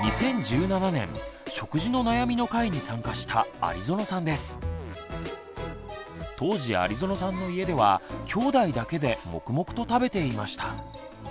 ２０１７年「食事の悩み」の回に参加した当時有園さんの家ではきょうだいだけで黙々と食べていました。